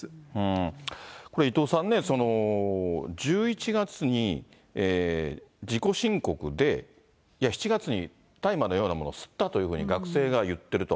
これ、伊藤さんね、１１月に自己申告で、いや、７月に大麻のようなものを吸ったというふうに学生が言ってると。